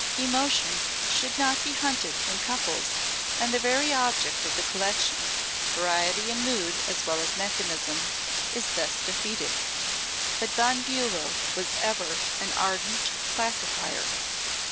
Emotions should not be hunted in couples and the very object of the collection, variety in mood as well as mechanism, is thus defeated. But Von Bulow was ever an ardent classifier.